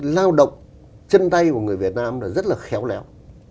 lao động chân tay của người việt nam là rất là khéo léo